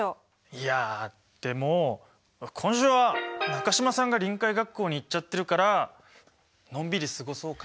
いやでも今週は中島さんが臨海学校に行っちゃってるからのんびり過ごそうかなと。